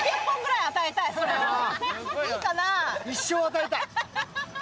一生与えたい。